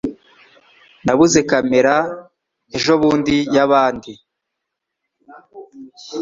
Nabuze kamera ejobundi yabandi